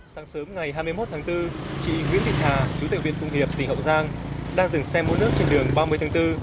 sáng sớm ngày hai mươi một tháng bốn chị nguyễn vịnh hà chủ tịch huyện phụng hiệp tỉnh hậu giang đang dừng xe mua nước trên đường ba mươi tháng bốn